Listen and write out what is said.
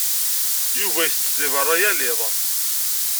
Yuba isett deg beṛṛa yal iḍ.